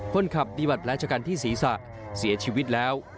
คนขับมีบัตรแผลชะกันที่ศีรษะเสียชีวิตแล้ว